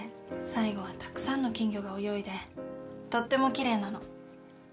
最後はたくさんの金魚が泳いでとっても奇麗なの。